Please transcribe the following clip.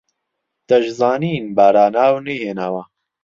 دەشزانین باراناو نەیهێناوە